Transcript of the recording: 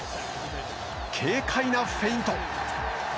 軽快なフェイント。